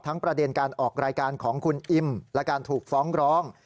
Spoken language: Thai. ประเด็นการออกรายการของคุณอิมและการถูกฟ้องร้อง